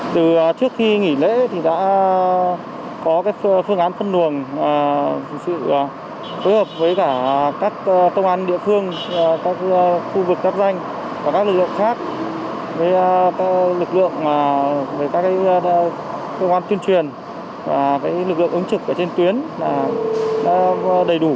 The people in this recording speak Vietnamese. từ trước khi nghỉ lễ thì đã có cái phương án phân luồng sự phối hợp với cả các công an địa phương các khu vực giáp danh và các lực lượng khác lực lượng với các công an chuyên truyền và lực lượng ứng trực ở trên tuyến đầy đủ